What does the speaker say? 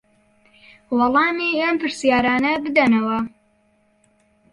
وەڵامی ئەم پرسیارانە بدەنەوە